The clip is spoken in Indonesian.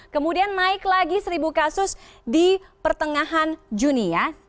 kemudian naik lagi seribu kasus di pertengahan juni ya